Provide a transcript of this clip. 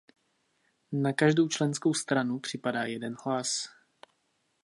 Na každou členskou stranu připadá jeden hlas.